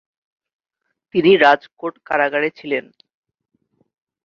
তিনি রাজকোট কারাগারে ছিলেন।